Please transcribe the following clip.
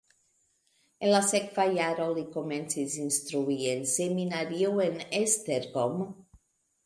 En la sekva jaro li komencis instrui en seminario en Esztergom.